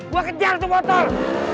gua kejar tuh motor